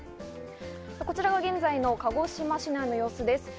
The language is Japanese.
こちらが現在の鹿児島市内の様子です。